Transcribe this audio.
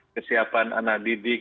kesiapan anak didik